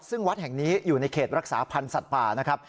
ซึ่งวัดแห่งนี้อยู่ในเขตรักษาพันธ์สัตว์ป่านะครับ